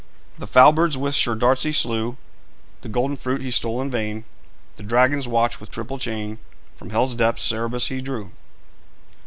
The foul birds with sure darts he slew; The golden fruit he stole in vain The dragon's watch; with triple chain From hell's depths Cerberus he drew.